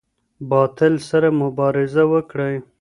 باطل سره مبارزه وکړئ.